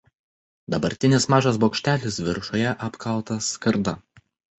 Dabartinis mažas bokštelis viršuje apkaltas skarda.